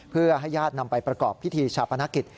เพื่อให้ญาตินำไปประกอบพิธีชาปนกิจ